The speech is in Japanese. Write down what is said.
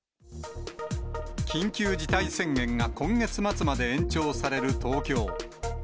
緊急事態宣言が今月末まで延長される東京。